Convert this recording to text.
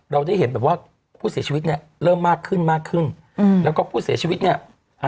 เราได้เห็นแบบว่าผู้เสียชีวิตเนี้ยเริ่มมากขึ้นมากขึ้นอืมแล้วก็ผู้เสียชีวิตเนี้ยอ่า